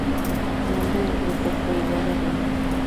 El nombre del grupo fue idea de Ronny.